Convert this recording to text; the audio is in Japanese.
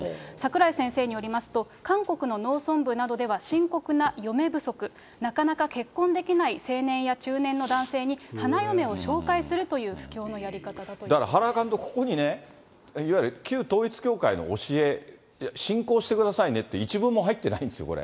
櫻井先生によりますと、韓国の農村部などでは深刻な嫁不足、なかなか結婚できない青年や中年の男性に花嫁を紹介するという布だから、原監督、ここにね、いわゆる旧統一教会の教え、信仰してくださいねって一言も入ってないんですよ。